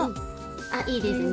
あいいですね